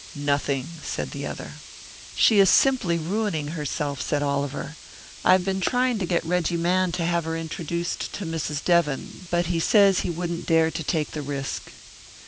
"Nothing," said the other. "She is simply ruining herself," said Oliver. "I've been trying to get Reggie Mann to have her introduced to Mrs. Devon, but he says he wouldn't dare to take the risk."